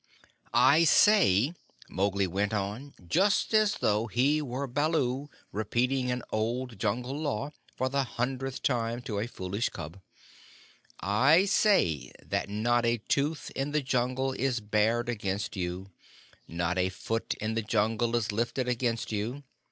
"I say," Mowgli went on, just as though he were Baloo repeating an old Jungle Law for the hundredth time to a foolish cub "I say that not a tooth in the Jungle is bared against you; not a foot in the Jungle is lifted against you.